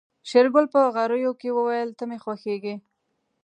شېرګل په غريو کې وويل ته مې خوښيږې.